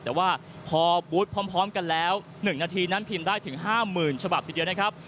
แต่ว่าพอบูธพร้อมกันแล้ว๑นาทีนั้นพิมพ์ได้ถึง๕๐๐๐ฉบับทีเดียวนะครับ